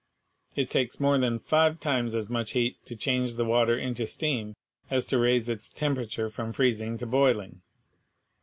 It takes more than five times as much heat to change the water into steam as to raise its temperature from freezing to boiling.